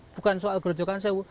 bukan soal geronjo kansewu